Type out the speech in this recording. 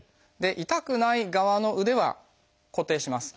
痛くない側の腕は固定します。